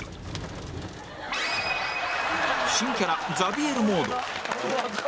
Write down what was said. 新キャラザビエルモード